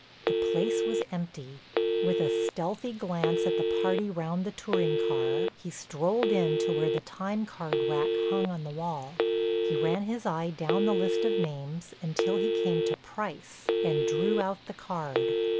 The place was empty. With a stealthy glance at the party round the touring car, he strolled in to where the time card rack hung on the wall. He ran his eye down the list of names until he came to "Price" and drew out the card.